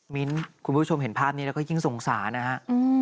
มิ้นท์คุณผู้ชมเห็นภาพนี้แล้วก็ยิ่งสงสารนะฮะ